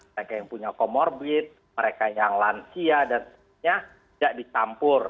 mereka yang punya comorbid mereka yang lansia dan sebagainya tidak dicampur